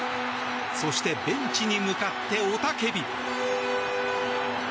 そしてベンチに向かって雄たけび。